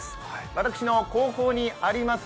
私の後方にあります